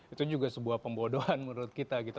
itu juga sebuah pembodohan menurut kita gitu